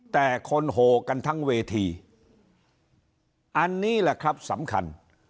แต่คนโหกันทั้งเวทีอันนี้แหละครับสำคัญ